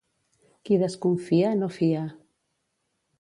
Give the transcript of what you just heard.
Qui desconfia, no fia.